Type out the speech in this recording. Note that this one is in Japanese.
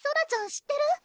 知ってる？